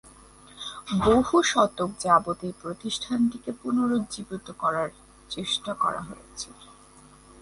বহু শতক যাবত এই প্রতিষ্ঠানটিকে পুনরুজ্জীবিত করার চেষ্টা করা হয়েছে।